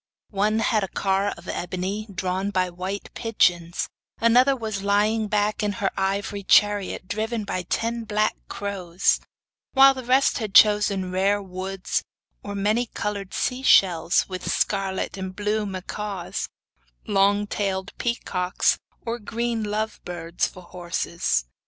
One had a car of ebony, drawn by white pigeons, another was lying back in her ivory chariot, driving ten black crows, while the rest had chosen rare woods or many coloured sea shells, with scarlet and blue macaws, long tailed peacocks, or green love birds for horses.